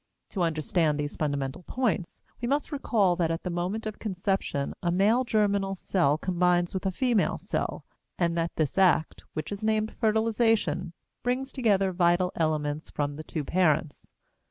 To understand these fundamental points we must recall that at the moment of conception a male germinal cell combines with a female cell, and that this act, which is named fertilization, brings together vital elements from the two parents.